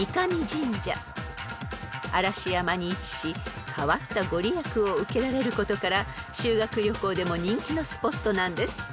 ［嵐山に位置し変わった御利益を受けられることから修学旅行でも人気のスポットなんです］